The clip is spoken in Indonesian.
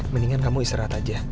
mendingan kamu istirahat aja